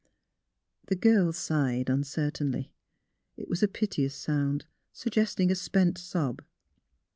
The girl sighed uncertainly. It was a piteous sound, suggesting a spent sob.